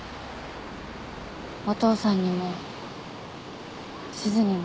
お父さんにもすずにも。